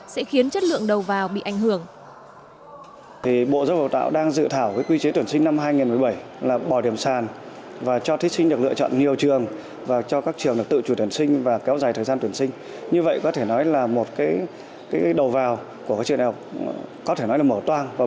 sẽ khiến chất lượng đầu vào bị ảnh hưởng